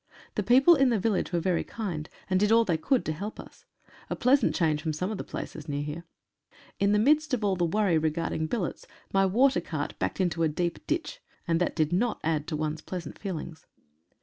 The people in the village were very kind, and did all they could to help us — a pleasant change from some places near here. In the midst of all the worry, re billets, my watercart backed into a deep ditch, and that did not add to one's pleasant feelings.